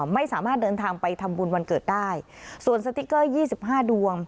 ไม่สามารถเดินทางไปทำบุญวันเกิดได้ส่วนสติ๊กเกอร์ยี่สิบห้าดวง